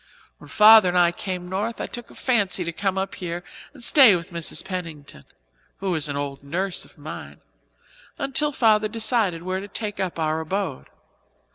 When Father and I came north I took a fancy to come here and stay with Mrs. Pennington who is an old nurse of mine until Father decided where to take up our abode.